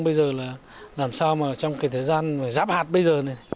bây giờ là làm sao mà trong cái thời gian giáp hạt bây giờ này